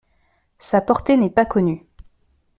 Sa portée n'est pasconnue.